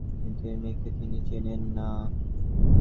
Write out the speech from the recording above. কিন্তু এই মেয়েকে তিনি চেনেন না।